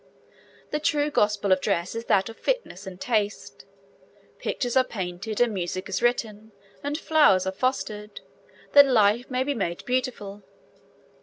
... The true gospel of dress is that of fitness and taste. Pictures are painted, and music is written, and flowers are fostered, that life may be made beautiful.